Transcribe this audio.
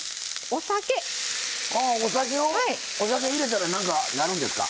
お酒入れたら何かなるんですか？